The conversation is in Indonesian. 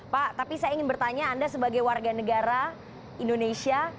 pak tapi saya ingin bertanya anda sebagai warga negara indonesia